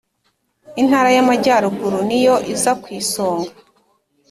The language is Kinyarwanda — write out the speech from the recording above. Intara y’ Amajyaruguru niyo iza ku isonga.